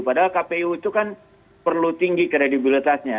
padahal kpu itu kan perlu tinggi kredibilitasnya